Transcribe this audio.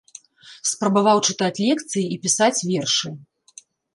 Спрабаваў чытаць лекцыі і пісаць вершы.